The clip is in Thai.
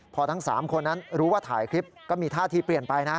พอทั้ง๓คนนั้นรู้ว่าถ่ายคลิปก็มีท่าทีเปลี่ยนไปนะ